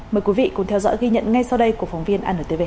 mời quý vị cùng theo dõi ghi nhận ngay sau đây của phóng viên antv